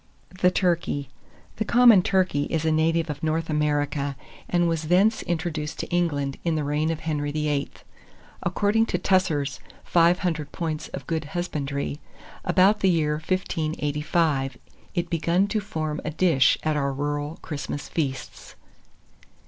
THE TURKEY. The common turkey is a native of North America, and was thence introduced to England, in the reign of Henry VIII. According to Tusser's "Five Hundred Points of Good Husbandry," about the year 1585 it begun to form a dish at our rural Christmas feasts.